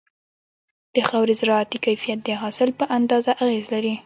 د خاورې زراعتي کيفيت د حاصل په اندازه اغېز لري.